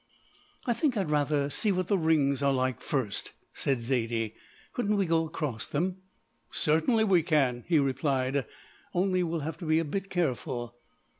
"I think I'd rather see what the rings are like first," said Zaidie; "couldn't we go across them?" "Certainly we can," he replied, "only we'll have to be a bit careful."